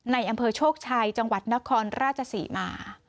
ในอำเภอโชคชัยจังหวัดนครราชศรีมา